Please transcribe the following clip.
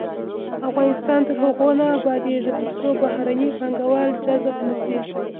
افغانستان تر هغو نه ابادیږي، ترڅو بهرني پانګوال جذب نشي.